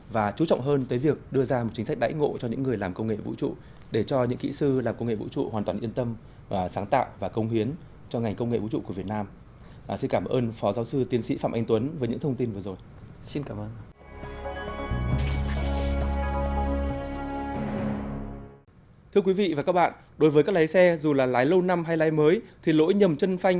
và chú trọng hơn tới việc đưa ra một chính sách đại ngộ cho những người làm công nghệ vũ trụ để cho những kỹ sư làm công nghệ vũ trụ hoàn toàn yên tâm và sáng tạo và công huyến cho ngành công nghệ vũ trụ của việt nam